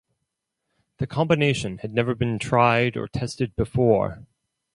The combination had never been tried or tested before.